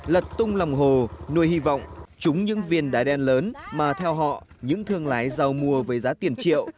lật tung lòng hồ nuôi hy vọng trúng những viên đá đen lớn mà theo họ những thương lái giàu mua với giá tiền triệu